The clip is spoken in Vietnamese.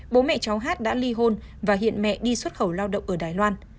bố mẹ cháu hát đã ly hôn và hiện mẹ đi xuất khẩu lao động ở đài loan